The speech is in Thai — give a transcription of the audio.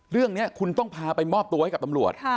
เรื่องนี้คุณต้องพาไปมอบตัวให้กับตำรวจ